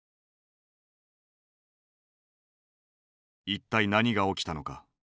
一体何が起きたのか。